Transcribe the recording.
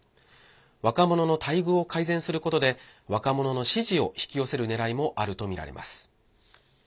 若者の待遇を改善することで若者の支持を引き寄せるねらいもあるとみられます。